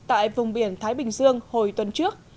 tại vùng biển thái bình dương hồi tuần trước